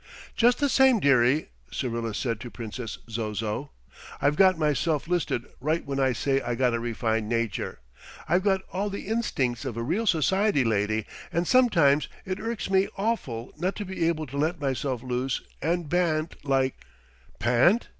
"Just the same, dearie," Syrilla said to Princess Zozo, "I've got myself listed right when I say I got a refined nature. I've got all the instincts of a real society lady and sometimes it irks me awful not to be able to let myself loose and bant like " "Pant?"